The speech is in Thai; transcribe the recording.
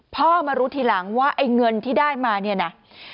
พ่อมารู้ทีหลังว่าไอ้เงินที่ได้มาเนี่ยนะ